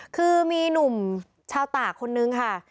คือมีหนุ่มชาวตากคนนึงค่ะ